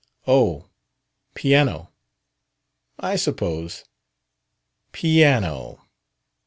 Oh, piano, I suppose." "Piano!"